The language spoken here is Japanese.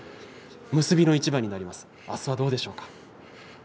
結びの一番になります、明日はどうですか。